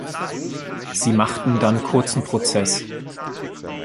Sie machten dann kurzen Prozess.